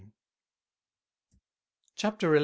CHAPTER XI.